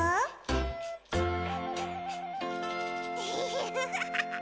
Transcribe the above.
フフフフ。